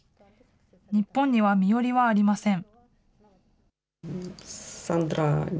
日本には身寄りはありません。